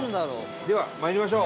では、まいりましょう。